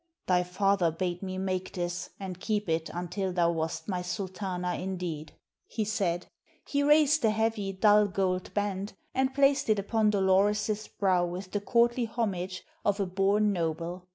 "Thy father bade me make this and keep it until thou wast my Sultana, indeed," he said. He raised the heavy, dull gold band, and placed it upon Dolores's brow with the courtly homage of a born noble.